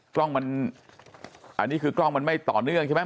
กล้องมันอันนี้คือกล้องมันไม่ต่อเนื่องใช่ไหม